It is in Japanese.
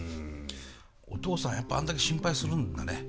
お父さんやっぱあんだけ心配するんだね。